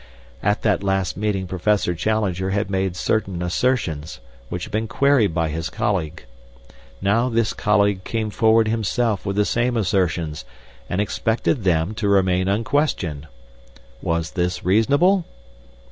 At that last meeting Professor Challenger had made certain assertions which had been queried by his colleague. Now this colleague came forward himself with the same assertions and expected them to remain unquestioned. Was this reasonable?